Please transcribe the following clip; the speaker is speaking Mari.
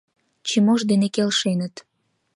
Чимош дене келшеныт.